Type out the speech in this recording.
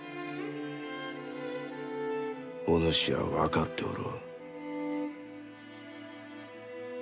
お主は分かっておろう？